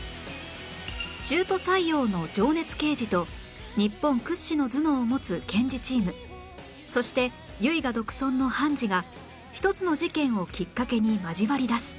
中途採用の情熱刑事と日本屈指の頭脳を持つ検事チームそして唯我独尊の判事が一つの事件をきっかけに交わりだす